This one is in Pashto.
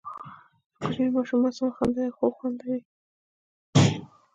د کوچني ماشوم معصومه خندا یو خوږ خوند لري.